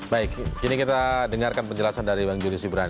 bisa ukurannya jelas ya